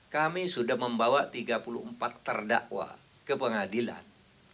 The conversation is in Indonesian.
kami sudah membawa tiga puluh empat terdakwa ke pengadilan